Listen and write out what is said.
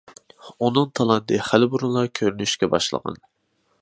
ئۇنىڭ تالانتى خېلى بۇرۇنلا كۆرۈلۈشكە باشلىغان.